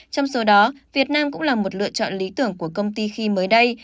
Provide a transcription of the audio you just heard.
trong số đó việt nam cũng là một lựa chọn lý tưởng của công ty khí mới đây